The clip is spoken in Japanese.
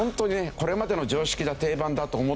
これまでの常識だ定番だと思ってたもの